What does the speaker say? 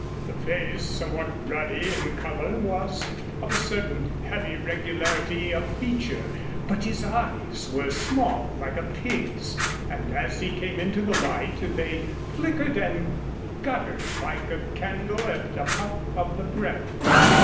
The face, somewhat ruddy in color, was of a certain heavy regularity of feature, but his eyes were small, like a pig's, and as he came into the light they flickered and guttered like a candle at a puff of the breath.